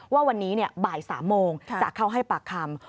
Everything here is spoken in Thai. ว่าวันนี้บ่าย๓โมงจะเข้าให้ปากคำ